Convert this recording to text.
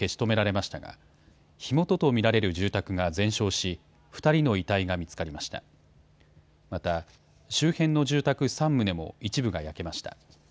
また、周辺の住宅３棟も一部が焼けました。